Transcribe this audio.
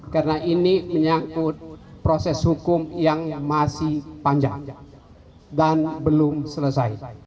karena ini menyangkut proses hukum yang masih panjang dan belum selesai